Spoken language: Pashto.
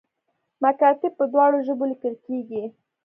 مکاتیب په دواړو ژبو لیکل کیږي